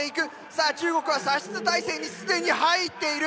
さあ中国は射出態勢に既に入っている。